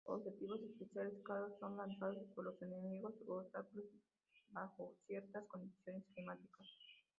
Objetos especiales caros son lanzados por los enemigos u obstáculos bajo ciertas condiciones climáticas.